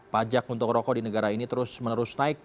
pajak untuk rokok di negara ini terus menerus naik